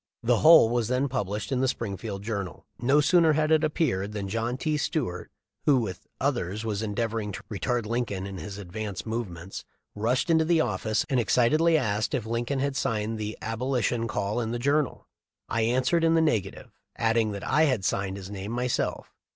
The whole was then pub lished in the Springfield Journal. No sooner had it appeared than John T. Stuart, who, with others, w r as endeavoring to retard Lincoln in his advanced movements, rushed into the office and excitedly asked it "Lincoln had signed the Abo lition call in the Journal?" I answered in the neg ative, adding that I had signed his name myself.